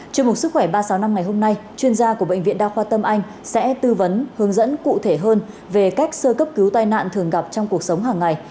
tại ba mươi sáu năm ngày hôm nay chuyên gia của bệnh viện đa khoa tâm anh sẽ tư vấn hướng dẫn cụ thể hơn về cách sơ cấp cứu tai nạn thường gặp trong cuộc sống hàng ngày